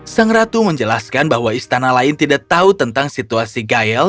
sang ratu menjelaskan bahwa istana lain tidak tahu tentang situasi gayel